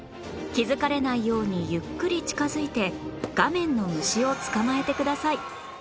気づかれないようにゆっくり近づいて画面の虫を捕まえてください